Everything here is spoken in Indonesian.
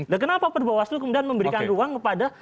nah kenapa perbawaslu kemudian memberikan ruang kepada